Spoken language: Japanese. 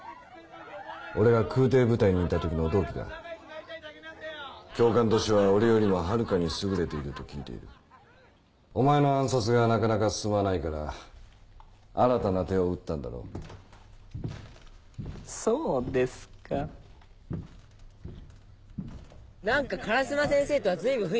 俺が空挺部隊にいた時の同期だ教官としては俺よりもはるかに優れていると聞いているお前の暗殺がなかなか進まないから新たな手を打ったんだろうそうですかなんか烏間先生とは随分雰囲気違うよな